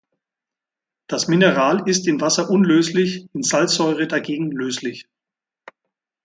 Das Mineral ist in Wasser unlöslich, in Salzsäure dagegen löslich.